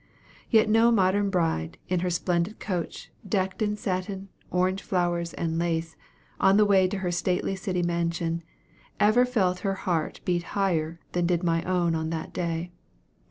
Yet no modern bride, in her splendid coach, decked in satin, orange flowers, and lace on the way to her stately city mansion, ever felt her heart beat higher than did my own on that day.